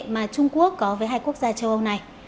mà trung quốc có với hai quốc gia châu âu này